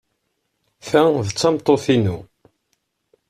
Ta d tameṭṭut-inu.